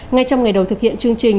ngay trong ngày đầu thực hiện chương trình